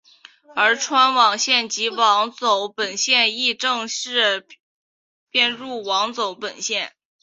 而钏网线及网走本线亦正式编入网走本线。